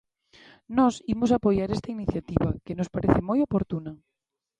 Nós imos apoiar esta iniciativa, que nos parece moi oportuna.